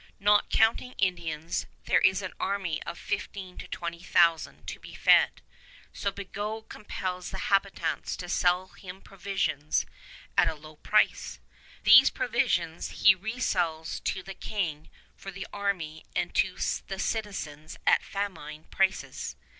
Not counting Indians, there is an army of fifteen to twenty thousand to be fed; so Bigot compels the habitants to sell him provisions at a low price. These provisions he resells to the King for the army and to the citizens at famine prices.